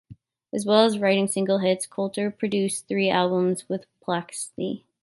As well as writing hit singles, Coulter produced three albums with Planxty.